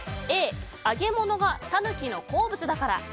Ａ，揚げ物がタヌキの好物だから。